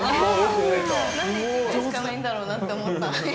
◆なんで１枚しかないんだろうなって思った、今。